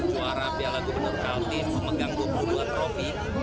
suara piala gubernur kaltim memegang dua puluh dua trofi